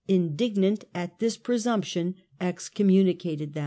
indignant at their presumption, excommunicated them.